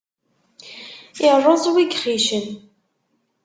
Iṛṛeẓ wi gxicen.